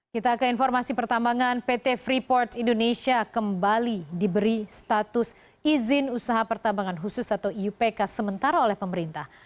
kita ke informasi pertambangan pt freeport indonesia kembali diberi status izin usaha pertambangan khusus atau iupk sementara oleh pemerintah